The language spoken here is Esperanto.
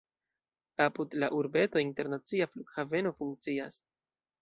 Apud la urbeto internacia flughaveno funkcias.